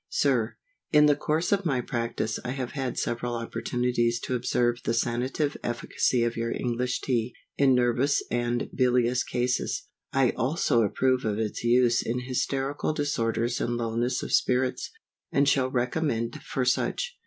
SIR, IN the course of my practice I have had several opportunities to observe the sanative efficacy of your English Tea, in nervous and bilious cases; I also approve of its use in hysterical disorders and lowness of spirits, and shall recommend for such.